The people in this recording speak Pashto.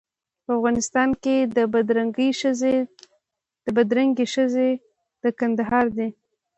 په افغانستان کې بدرنګې ښځې د کندهار دي.